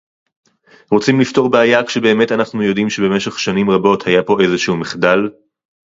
רוצים לפתור בעיה כשבאמת אנחנו יודעים שבמשך שנים רבות היה פה איזשהו מחדל